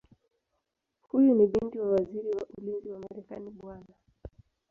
Huyu ni binti wa Waziri wa Ulinzi wa Marekani Bw.